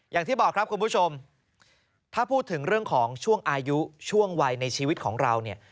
อย่างที่บอกครับคุณผู้ชมถ้าพูดถึงเรื่องของช่วงอายุช่วงวัยในชีวิตของเราเนี่ย